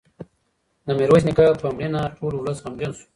د میرویس نیکه په مړینه ټول ولس غمجن شو.